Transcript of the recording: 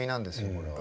これは。